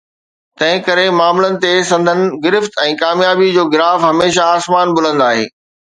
تنهن ڪري، معاملن تي سندن گرفت ۽ ڪاميابي جو گراف هميشه آسمان بلند آهي